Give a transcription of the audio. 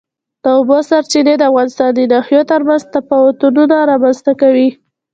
د اوبو سرچینې د افغانستان د ناحیو ترمنځ تفاوتونه رامنځ ته کوي.